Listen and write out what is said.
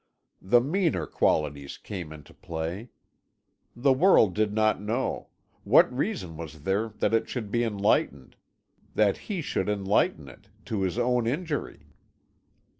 The meaner qualities came into play. The world did not know; what reason was there that it should be enlightened that he should enlighten it, to his own injury?